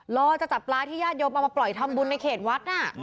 รอจะจับปลาที่ญาติโยมเอามาปล่อยทำบุญในเขตวัดน่ะ